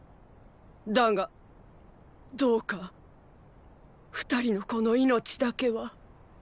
だがどうか二人の子の命だけは。